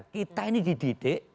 kita ini dididik